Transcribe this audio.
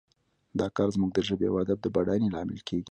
دا کار زموږ د ژبې او ادب د بډاینې لامل کیږي